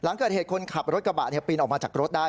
หลังเกิดเหตุคนขับรถกระบะปีนออกมาจากรถได้